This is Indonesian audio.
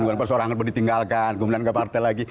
bukan perseorangan berditinggalkan kemudian ke partai lagi